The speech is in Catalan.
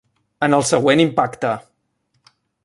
En el següent impacte!